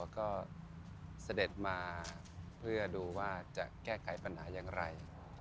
ก็เสด็จมาเพื่อดูว่าจะแก้ไขปัญหาอย่างไร